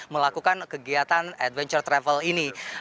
melakukan kegiatan adventure travel ini